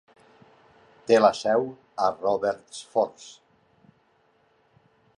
Té la seu a Robertsfors.